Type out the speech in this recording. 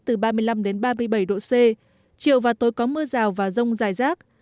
từ ba mươi năm đến ba mươi bảy độ c chiều và tối có mưa rào và rông dài rác